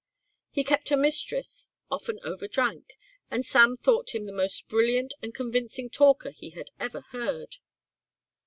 He kept a mistress, often overdrank, and Sam thought him the most brilliant and convincing talker he had ever heard.